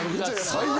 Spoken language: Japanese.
最悪。